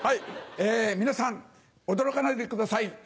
皆さん驚かないでください。